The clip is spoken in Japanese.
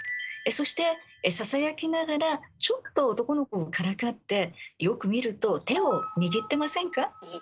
そしてささやきながらちょっと男の子をからかってよく見ると手を握ってませんか？